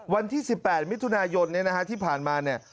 วันที่๑๘มิถุนายนที่ผ่านมาเนี่ย